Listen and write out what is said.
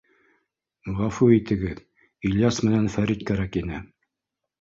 — Ғәфү итегеҙ, Ильяс менән Фәрит кәрәк ине.